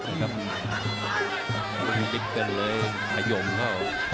มันไม่มีขุดเปียยนนะ